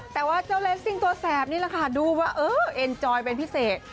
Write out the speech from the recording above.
แต่ว่าเจ้าเลสซิ่งตัวแสบนี่แหละค่ะดูว่าเออเอ็นจอยเป็นพิเศษ